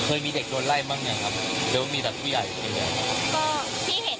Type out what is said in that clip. เคยมีเด็กโดนไล่บ้างเนี่ยครับหรือว่ามีแต่ผู้ใหญ่หรือเปลี่ยน